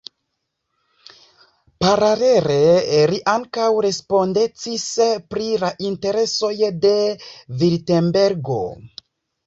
Paralele li ankaŭ respondecis pri la interesoj de Virtembergo.